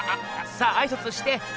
さああいさつして！